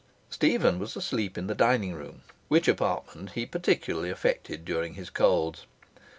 Stephen was asleep in the dining room, which apartment he particularly affected during his colds.